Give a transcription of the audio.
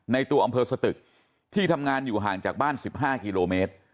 ตัวอำเภอสตึกที่ทำงานอยู่ห่างจากบ้าน๑๕กิโลเมตร